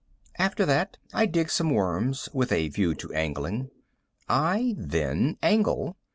After that I dig some worms, with a view to angling. I then angle.